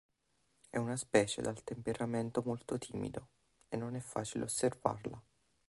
È una specie dal temperamento molto timido, e non è facile osservarla.